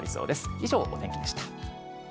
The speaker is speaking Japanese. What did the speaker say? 以上、お天気でした。